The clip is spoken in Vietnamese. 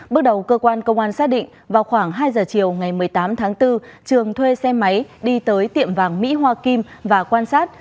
bước đầu cơ quan công an xác định vào khoảng hai giờ chiều ngày một mươi tám tháng bốn trường thuê xe máy đi tới tiệm vàng mỹ hoa kim và quan sát